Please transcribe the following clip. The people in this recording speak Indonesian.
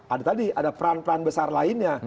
ada tadi ada peran peran besar lainnya